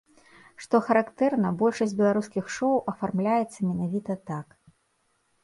Што характэрна, большасць беларускіх шоу афармляецца менавіта так.